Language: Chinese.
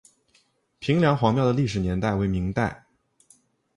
平凉隍庙的历史年代为明代。